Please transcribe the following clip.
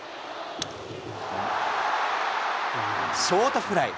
ショートフライ。